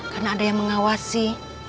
karena ada yang mengawasi